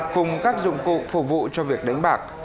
cùng các dụng cụ phục vụ cho việc đánh bạc